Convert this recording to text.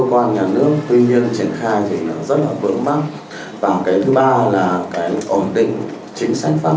và giá đối với cái dự án bp là một cái đặc thù khác